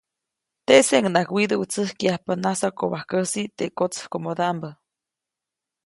Teʼseʼuŋnaʼajk widuʼwätsäjkya nasakobajkäsi teʼ kotsäjkomodaʼmbä.